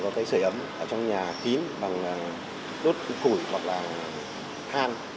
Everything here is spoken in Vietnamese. có cái sửa ấm ở trong nhà kín bằng đốt củi hoặc là than